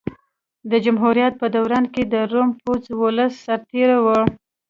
د جمهوریت په دوران کې د روم پوځ ولسي سرتېري وو